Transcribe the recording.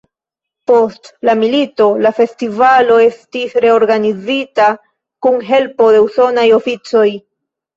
Post la milito la festivalo estis reorganizita kun helpo de usonaj oficoj.